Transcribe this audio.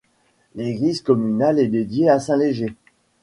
L'église communale est dédiée à saint Léger.